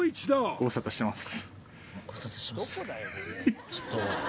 ご無沙汰してます